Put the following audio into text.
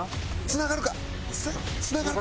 つながるか？